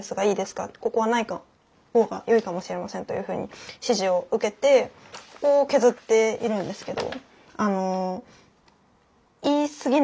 ここはない方がよいかもしれません」というふうに指示を受けてここを削っているんですけど。